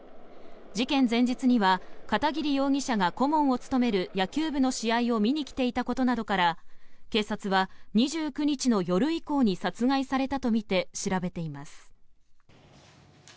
事件前日には片桐容疑者が顧問を務める野球部の試合を見に来ていたことなどから警察は２９日の夜以降に殺害されたとみて調べています。